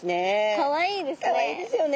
かわいいですね。